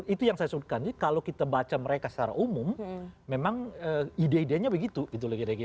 itu yang saya sebutkan jadi kalau kita baca mereka secara umum memang ide idenya begitu gitu loh kira kira